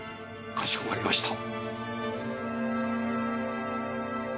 かしこまりました。